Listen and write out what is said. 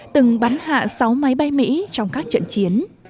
từng bắn hạ sáu máy bay mỹ trong các trận chiến